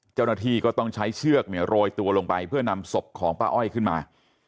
เจ้าหน้าที่ก็ต้องใช้เชือกโรยตัวลงไปเพื่อนำศพของป้าอ้อยขึ้นมา